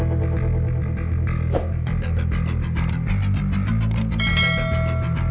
ini gak ada yang nanya